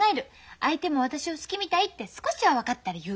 相手も私を好きみたいって少しは分かったら言う。